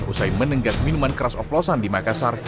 usai menenggak minuman keras oplosan di makassar